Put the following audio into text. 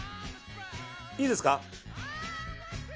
いいですか？